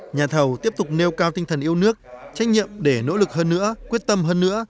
nhà thầu tiếp tục nêu cao tinh thần yêu nước trách nhiệm để nỗ lực hơn nữa quyết tâm hơn nữa